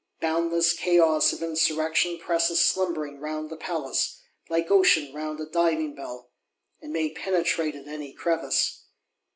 Boundless Chaos of Insurrection presses slumbering round the Palace, like Ocean round a Diving bell; and may penetrate at any crevice.